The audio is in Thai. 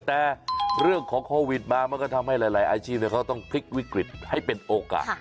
แต่เรื่องของโควิดมามันก็ทำให้หลายอาชีพเขาต้องพลิกวิกฤตให้เป็นโอกาส